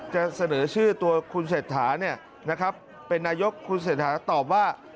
จะเสนอชื่อตัวคุณเศรษฐาเป็นนายกคุณเศรษฐาตอบว่า